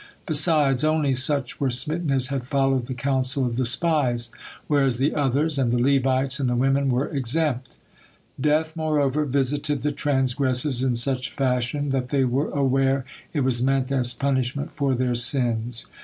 Besides only such were smitten as had followed the counsel of the spies, whereas the others, and the Levites and the women were exempt. Death, moreover, visited the transgressors in such fashion that they were aware it was meant as punishment for their sins.